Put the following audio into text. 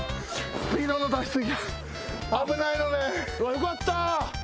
よかった。